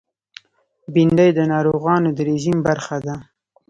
بېنډۍ د ناروغانو د رژیم برخه ده